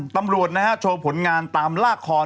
ตำรวจนะฮะโชว์ผลงานตามลากคอ